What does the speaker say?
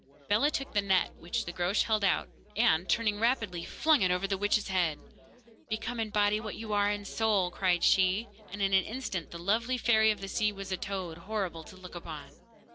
Bellah took the net which the Groac'h held out, and, turning rapidly, flung it over the witch's head. 'Become in body what you are in soul!' cried she, and in an instant the lovely fairy of the sea was a toad, horrible to look upon.